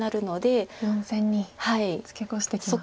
４線にツケコシてきますか。